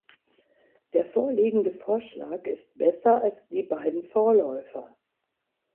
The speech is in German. Der vorliegende Vorschlag ist besser als die beiden Vorläufer.